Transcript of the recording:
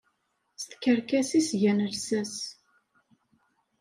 S tkerkas i s-gan llsas.